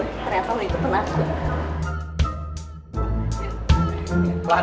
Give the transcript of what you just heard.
ternyata lo itu penaklukan